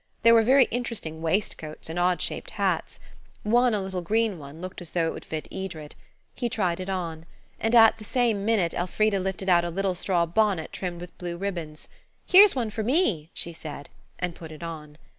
There were very interesting waistcoats and odd shaped hats. One, a little green one, looked as though it would fit Edred. He tried it on. And at the same minute Elfrida lifted out a little straw bonnet trimmed with blue ribbons. "Here's one for me," she said, and put it on.